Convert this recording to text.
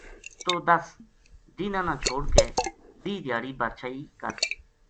تو ہ دَس دِیہناں نا چھوڈ کے بیہہ دھیاڑی بادشاہی کر